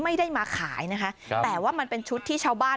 ไม่ได้มาขายนะคะแต่ว่ามันเป็นชุดที่ชาวบ้าน